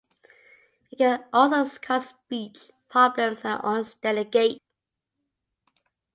It can also cause speech problems and an unsteady gait.